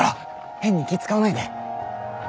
変に気ぃ使わないで。